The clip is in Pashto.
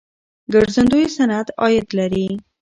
ګرځندوی صنعت عاید لري.